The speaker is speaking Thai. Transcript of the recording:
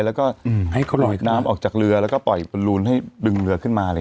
แล้วก็ให้เขาปล่อยน้ำออกจากเรือแล้วก็ปล่อยเป็นรูนให้ดึงเรือขึ้นมา